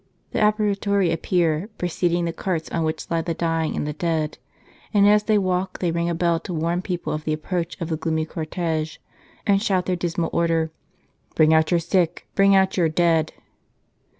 The apparitori appear, preceding the carts on which lie the dying and the dead ; and as they walk they ring a bell to warn people of the approach of the gloomy cortege, and shout their dismal order :" Bring out your sick ! Bring out your dead